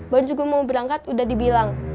baru juga mau berangkat udah dibilang